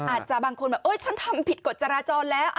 อาจจะบางคนไปว่าโอ๊ยฉันทำผิดกฎจราจรแล้ว